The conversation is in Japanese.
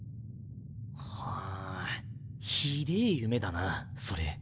はぁひでぇ夢だなそれ。